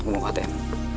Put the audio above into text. mau ke atm